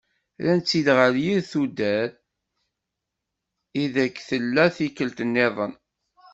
Rran-tt-id ɣer yir tudert i deg i tella i tikelt niḍen.